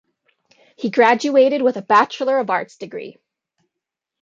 He graduated with a Bachelor of Arts degree.